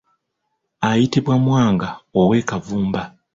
Ayitibwa Mwanga ow'e Kavumba.